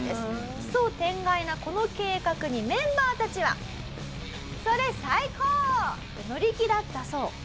奇想天外なこの計画にメンバーたちはそれ最高！と乗り気だったそう。